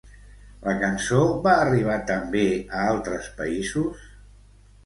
La cançó va arribar també a altres països?